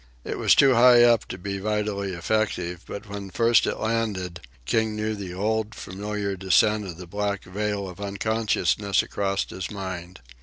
It was too high up to be vitally effective; but when first it landed, King knew the old, familiar descent of the black veil of unconsciousness across his mind.